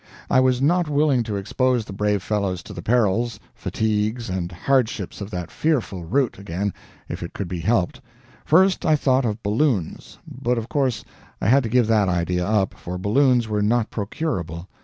I was not willing to expose the brave fellows to the perils, fatigues, and hardships of that fearful route again if it could be helped. First I thought of balloons; but, of course, I had to give that idea up, for balloons were not procurable.